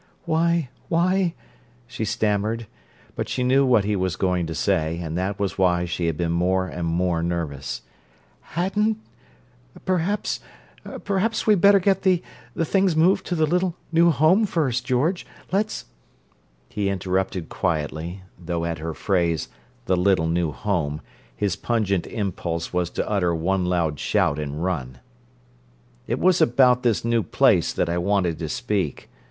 "Why—why—" she stammered; but she knew what he was going to say, and that was why she had been more and more nervous. "Hadn't—perhaps—perhaps we'd better get the—the things moved to the little new home first, George. Let's—" He interrupted quietly, though at her phrase, "the little new home," his pungent impulse was to utter one loud shout and run. "It was about this new place that I wanted to speak.